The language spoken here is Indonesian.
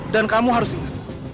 dan kamu harus ingat